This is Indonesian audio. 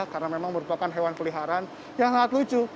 karena memang merupakan hewan peliharaan yang sangat lucu